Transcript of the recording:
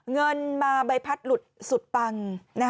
เงินมาใบพัดหลุดสุดปัง